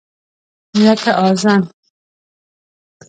لکه اذان !